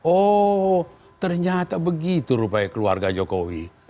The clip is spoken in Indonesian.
oh ternyata begitu rupanya keluarga jokowi